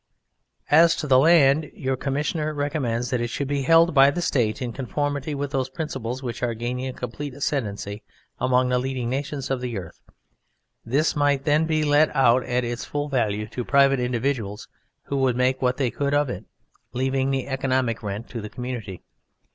As to the land: your Commissioners recommend that it should be held by the State in conformity with those principles which are gaining a complete ascendancy among the Leading Nations of the Earth. This might then be let out at its full value to private individuals who would make what they could of it, leaving the Economic Rent to the community.